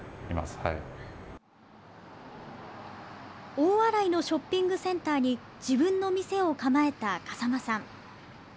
大洗のショッピングセンターに自分の店を構えた風間さん。